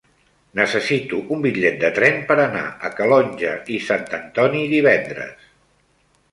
Necessito un bitllet de tren per anar a Calonge i Sant Antoni divendres.